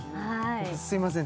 すいません